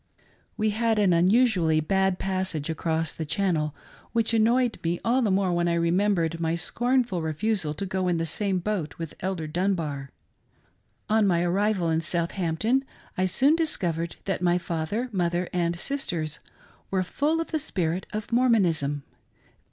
We had an unusually bad passage across the Channel, which annoyed me all the more when I remembered my scornful refusal to go in the same boat with Elder Dunbar. 44 THE FULNESS OF THE EVERLASTING. GOSPEL. On my arrival in Southampton I soon discovered that my father, mother, and sisters were full of the spirit of Mormon^; ism.